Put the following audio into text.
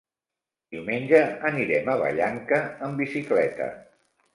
Diumenge anirem a Vallanca amb bicicleta.